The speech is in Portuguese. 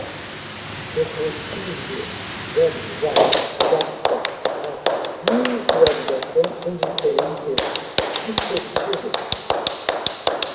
Responsive Web Design adapta a visualização em diferentes dispositivos.